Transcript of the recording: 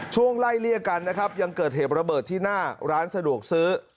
ไล่เลี่ยกันนะครับยังเกิดเหตุระเบิดที่หน้าร้านสะดวกซื้อ